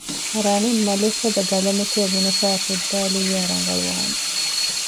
ރަނެއް މަލެއް ފަދަ ގަލަމެކޭ ބުނެފައި ފުއްދައިލިއްޔާ ރަނގަޅުވާނެ